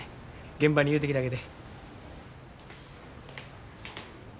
現場に言うてきたげて。